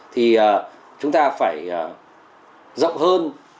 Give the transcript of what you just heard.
thì chúng ta phải rộng hơn